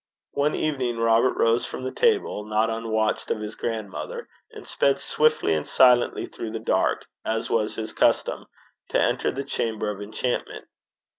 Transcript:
One evening Robert rose from the table, not unwatched of his grandmother, and sped swiftly and silently through the dark, as was his custom, to enter the chamber of enchantment.